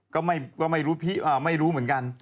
ก็ไม่รู้เหมือนกัน